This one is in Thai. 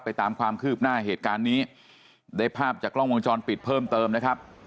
ตามความคืบหน้าเหตุการณ์นี้ได้ภาพจากกล้องวงจรปิดเพิ่มเติมนะครับ